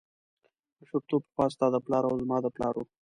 مشرتوب پخوا ستا د پلار او زما د پلار و.